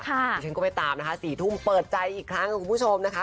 เดี๋ยวฉันก็ไปตามนะคะ๔ทุ่มเปิดใจอีกครั้งกับคุณผู้ชมนะคะ